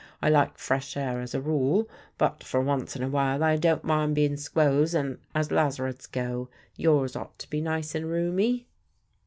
I like fresh air as a rule, but for once in a while I don't mind bein' squoze; and, as lazarettes go, yours ought to be nice and roomy."